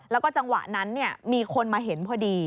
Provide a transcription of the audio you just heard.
แล้วก็จังหวะนั้นมีคนมาเห็นพอดี